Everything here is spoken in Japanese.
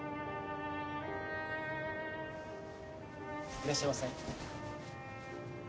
いらっしゃいませ。